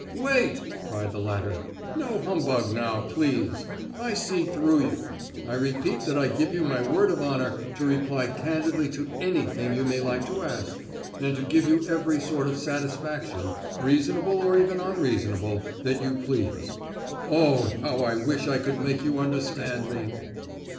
"Wait!" cried the latter. "No humbug now, please; I see through you. I repeat that I give you my word of honour to reply candidly to anything you may like to ask, and to give you every sort of satisfaction—reasonable or even unreasonable—that you please. Oh! how I wish I could make you understand me!"